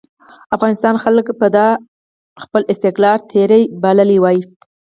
افغانستان خلکو به دا پر خپل استقلال تېری بللی وای.